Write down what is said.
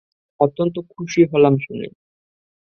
অত্যন্ত খুশি হলাম শুনে!